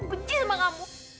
aku benci sama kamu